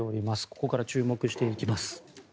ここから注目していきます。